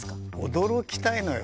驚きたいのよ。